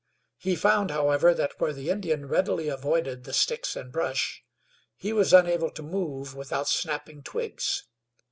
He found, however, that where the Indian readily avoided the sticks and brush, he was unable to move without snapping twigs.